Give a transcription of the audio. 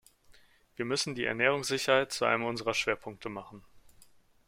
Wir müssen die Ernährungssicherheit zu einem unserer Schwerpunkte machen.